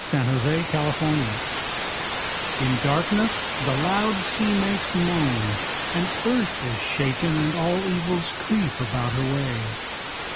The Charm In darkness the loud sea makes moan; And earth is shaken, and all evils creep About her ways.